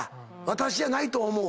「私じゃないと思う」